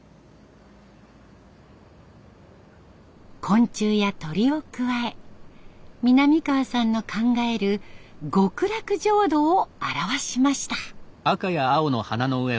昆虫や鳥を加え南川さんの考える極楽浄土を表しました。